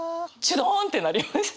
どーんってなりました。